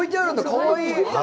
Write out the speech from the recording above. かわいい。